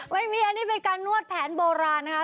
ไม่มีอันนี้เป็นการนวดแผนโบราณนะคะ